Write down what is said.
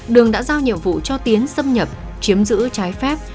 đường đã giao nhiệm vụ cho tiến xâm nhập chiếm giữ trái phép